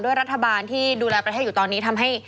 รัฐบาลที่ดูแลประเทศอยู่ตอนนี้ทำให้